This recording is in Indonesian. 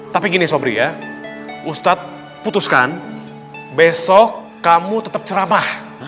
tapi gini sobri ya ustadz putuskan besok kamu tetap ceramah